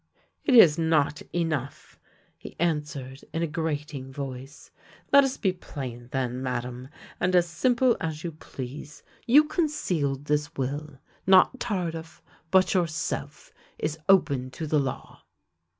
"" It is not enough," he answered in a grating voice. *' Let us be plain then, Madame, and as simple as you please. You concealed this will. Not Tardif, but your self, is open to the law."